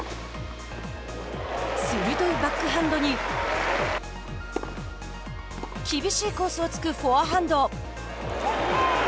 鋭いバックハンドに厳しいコースを突くフォアハンド。